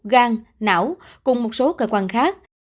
gan não cùng một số cơ quan khác